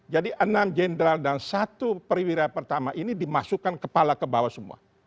jadi enam jenderal dan satu perwira pertama ini dimasukkan kepala ke bawah semua